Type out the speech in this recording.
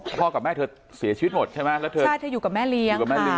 พ่อกับแม่เธอเสียชีวิตหมดใช่ไหมแล้วเธอใช่เธออยู่กับแม่เลี้ยงกับแม่เลี้ย